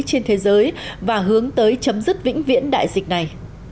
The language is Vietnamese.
trên thế giới và hướng tới chấm dứt vĩnh viễn đại dịch này